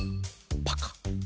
パカッ。